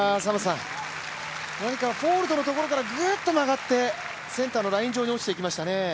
何かフォルトのところからぐーっと曲がってセンターのライン上に落ちていきましたね。